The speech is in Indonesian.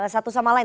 satu sama lain